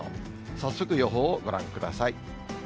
早速予報をご覧ください。